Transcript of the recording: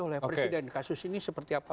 oleh presiden kasus ini seperti apa